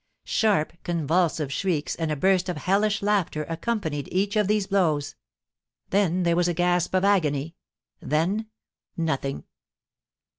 Sharp, convulsive shrieks, and a burst of hellish laughter accompanied each of these blows. Then there was a gasp of agony. Then nothing.